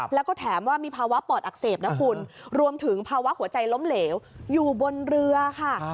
แล้วก็แถมว่ามีภาวะปอดอักเสบนะคุณรวมถึงภาวะหัวใจล้มเหลวอยู่บนเรือค่ะ